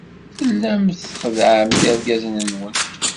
Tellamt txeddɛemt irgazen-nwent.